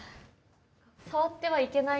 触ってはいけないような。